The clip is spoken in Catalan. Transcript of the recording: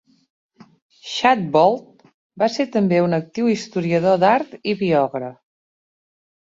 Shadbolt va ser també un actiu historiador d'art i biògraf.